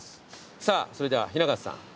さぁそれでは雛形さん。